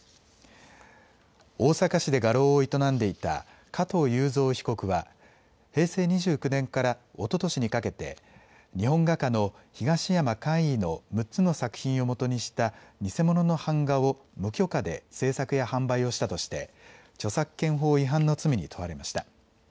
大阪市で画廊を営んでいた加藤雄三被告は平成２９年からおととしにかけて日本画家の東山魁夷の６つの作品をもとにした偽物の版画を無許可で制作や販売をしたとして著作権法違反の罪に問われました。